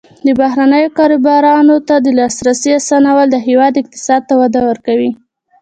د بهرنیو کاروبارونو ته د لاسرسي اسانول د هیواد اقتصاد ته وده ورکوي.